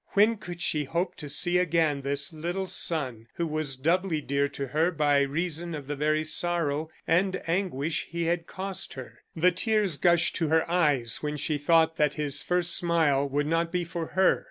When could she hope to see again this little son who was doubly dear to her by reason of the very sorrow and anguish he had cost her? The tears gushed to her eyes when she thought that his first smile would not be for her.